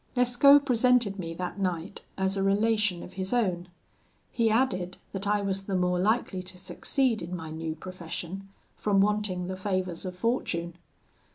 "Lescaut presented me that night as a relation of his own. He added, that I was the more likely to succeed in my new profession, from wanting the favours of fortune.